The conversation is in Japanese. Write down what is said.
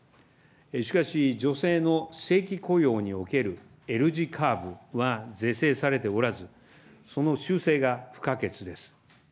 しかし、女性の正規雇用におけるＬ字カーブは是正されておらず、その修正が不可欠です。